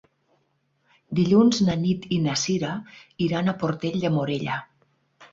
Dilluns na Nit i na Cira iran a Portell de Morella.